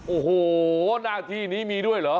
โอ้โหหน้าที่นี้มีด้วยเหรอ